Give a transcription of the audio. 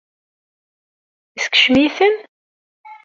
Yeskcem-iten?